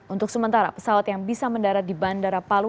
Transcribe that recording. untuk sementara pesawat yang bisa mendarat di bandara palu